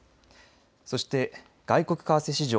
そして外国為替市場